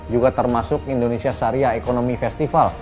juga termasuk indonesia sharia economy festival